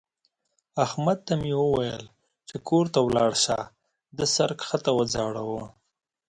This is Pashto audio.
احمد ته مې وويل چې کور ته ولاړ شه؛ ده سر کښته وځړاوو.